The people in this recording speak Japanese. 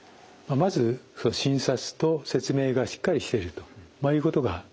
まず診察と説明がしっかりしてるということが基本になります。